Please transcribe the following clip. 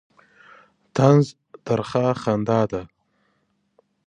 طنز ترخه خندا ده.